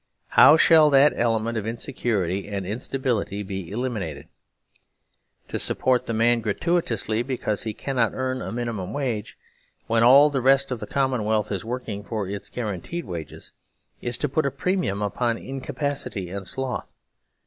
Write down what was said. How shall that element of insecurity and instability be elimin 177 12 THE SERVILE STATE ated ? To support the man gratuitously because he cannot earn a minimum wage, when all the rest of the commonwealth is working for its guaranteed wages, is to put a premium upon incapacity and sloth.